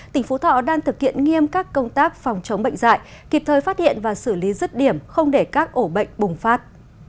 tỉnh phú thọ đang thực hiện nghiêm các công tác phòng chống bệnh dạy kịp thời phát hiện và xử lý rứt điểm không để các ổ bệnh bùng phát